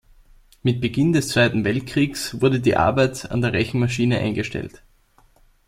Mit Beginn des Zweiten Weltkriegs wurde die Arbeit an der Rechenmaschine eingestellt.